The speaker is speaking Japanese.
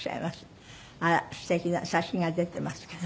あら素敵な写真が出てますけど。